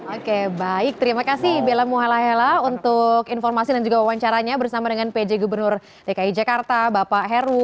oke baik terima kasih bella muhalaela untuk informasi dan juga wawancaranya bersama dengan pj gubernur dki jakarta bapak heru